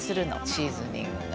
「シーズニングが」